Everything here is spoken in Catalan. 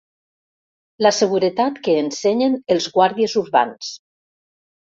La seguretat que ensenyen els guàrdies urbans.